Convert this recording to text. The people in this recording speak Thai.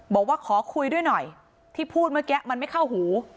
บอกว่าขอคุยด้วยหน่อยที่พูดเมื่อกี้มันไม่เข้าหู